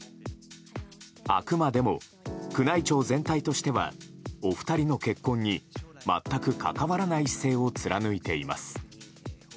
あくまでも宮内庁全体としてはお二人の結婚に全く関わらない姿勢を貫いています。